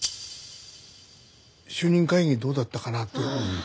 主任会議どうだったかなって。